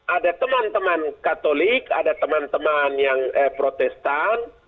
ada teman teman katolik ada teman teman yang protestan